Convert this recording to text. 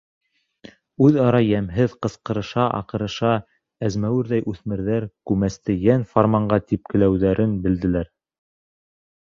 Үҙ-ара йәмһеҙ ҡысҡырыша-аҡырыша әзмәүерҙәй үҫмерҙәр күмәсте йән-фарманға типкеләүҙәрен белделәр.